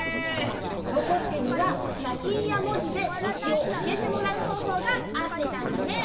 ぼこすけにはしゃしんやもじでみちをおしえてもらうほうほうがあってたんだね。